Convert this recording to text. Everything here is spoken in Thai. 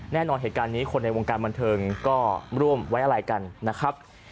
แน่นอนเหตุการณ์นี้คนในวงการบันเทิงก็ร่วมไว้อะไรกันนะครับ